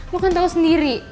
lo kan tau sendiri